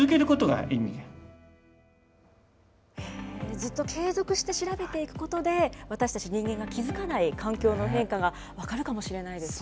ずっと継続して調べていくことで、私たち人間が気付かない環境の変化が分かるかもしれないですね。